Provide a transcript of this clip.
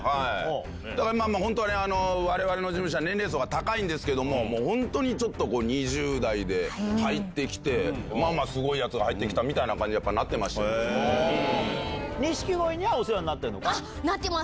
だからまあ、本当にわれわれの事務所は年齢層が高いんですけども、もう本当にちょっとこう、２０代で入ってきて、まあまあすごいやつが入ってきたみたいな感じに、やっぱなってま錦鯉にはお世話になってるのなってます。